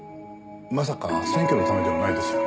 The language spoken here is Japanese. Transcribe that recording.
まさか選挙のためではないですよね？